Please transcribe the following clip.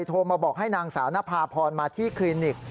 โทรมาบอกให้นางสาวนภาพรมาที่คลินิก